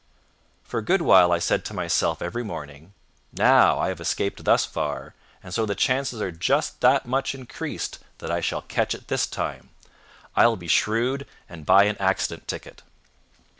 _ For a good while I said to myself every morning: "Now I have escaped thus far, and so the chances are just that much increased that I shall catch it this time. I will be shrewd, and buy an accident ticket."